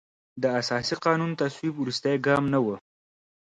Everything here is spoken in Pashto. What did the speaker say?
د اساسي قانون تصویب وروستی ګام نه و.